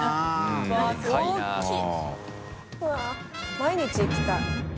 毎日行きたい。